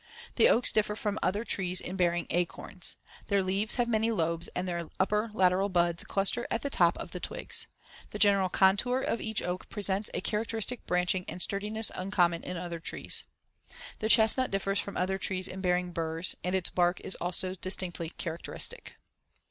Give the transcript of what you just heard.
The oaks differ from other trees in bearing acorns. Their leaves have many lobes and their upper lateral buds cluster at the top of the twigs. The general contour of each oak presents a characteristic branching and sturdiness uncommon in other trees. The chestnut differs from other trees in bearing burs and its bark is also distinctly characteristic.